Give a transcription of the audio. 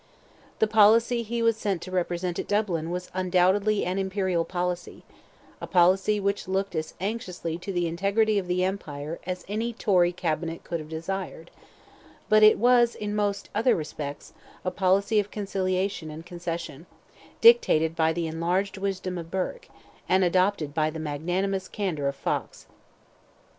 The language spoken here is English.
The policy he was sent to represent at Dublin was undoubtedly an imperial policy; a policy which looked as anxiously to the integrity of the empire as any Tory cabinet could have desired; but it was, in most other respects, a policy of conciliation and concession, dictated by the enlarged wisdom of Burke, and adopted by the magnanimous candour of Fox.